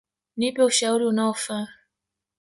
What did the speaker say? Nipe ushauri unaofa.